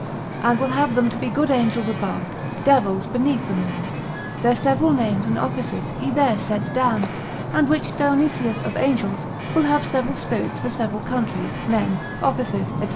and will have them to be good angels above, devils beneath the Moon, their several names and offices he there sets down, and which Dionysius of Angels, will have several spirits for several countries, men, offices, &c.